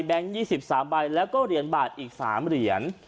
๒๓ใบแล้วก็เหรียญบาทอีก๓เหรียญ